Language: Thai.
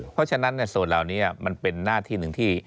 เพราะฉะนั้นส่วนเหล่านี้มันเป็นหน้าที่หนึ่งที่